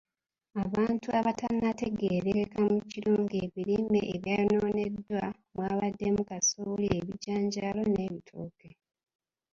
Abantu abatannategeerekeka mu kiro ng'ebirime ebyayonooneddwa mwabaddemu; kasooli, ebijanjaalo n'ebitooke.